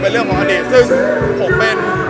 เป็นเรื่องของอเนกซึ่งผมเป็น